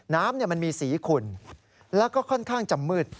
น้ำมันมีสีขุ่นแล้วก็ค่อนข้างจะมืด